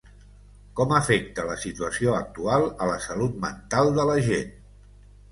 Com afecta la situació actual a la salut mental de la gent?